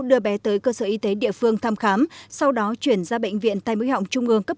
đưa bé tới cơ sở y tế địa phương thăm khám sau đó chuyển ra bệnh viện tây mũi họng trung ương cấp